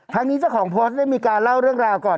ทั้งนี้เจ้าของโพสต์ได้มีการเล่าเรื่องราวก่อน